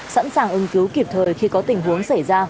sẵn sàng ứng cứu kịp thời khi có tình hình